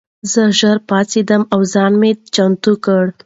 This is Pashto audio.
زه ژر پاڅېدم او ځان مې چمتو کړ.